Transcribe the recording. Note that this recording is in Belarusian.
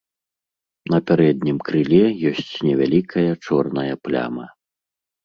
На пярэднім крыле ёсць невялікая чорная пляма.